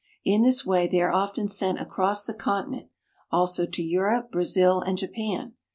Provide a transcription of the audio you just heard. In this way they are often sent across the continent, also to Europe, Brazil and Japan.